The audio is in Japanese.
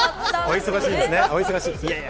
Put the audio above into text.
お忙しいんですね。